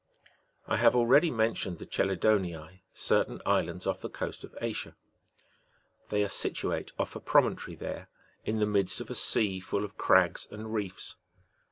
I have already mentioned'*^ the Chelidoniae, certain islands off the coast of Asia ; they are situate off a promontory there, in the midst of a sea full of crags and reefs.